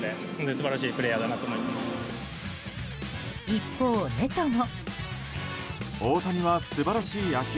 一方、ネトも。